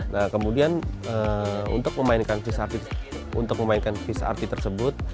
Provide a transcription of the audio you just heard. nah kemudian untuk memainkan vcrt tersebut